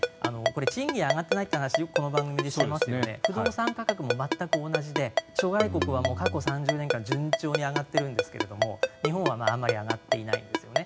賃金が上がってないという話よくこの番組でやっていますが不動産価格も全く同じで諸外国は過去３０年間順調に上がってるんですが日本はあんまり上がってないんですよね。